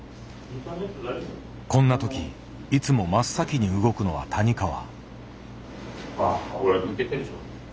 こんな時いつも真っ先に動くのは谷川。